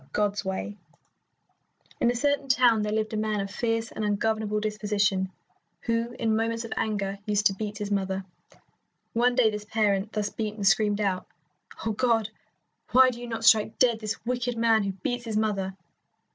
XL GOD'S WAY In a certain town there lived a man of fierce and ungovernable disposition, who in moments of anger used to beat his mother. One day this parent, thus beaten, screamed out, "Oh, God, why do you not strike dead this wicked man who beats his mother?"